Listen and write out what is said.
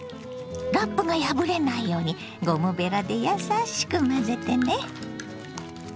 ラップが破れないようにゴムべらでやさしく混ぜてね。